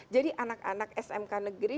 jadi anak anak smk negeri